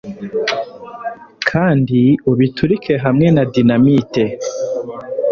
kandi ubiturike hamwe na dinamite